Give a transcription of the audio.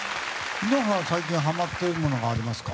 井ノ原は最近ハマっているものはありますか？